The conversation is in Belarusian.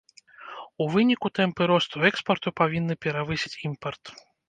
У выніку тэмпы росту экспарту павінны перавысіць імпарт.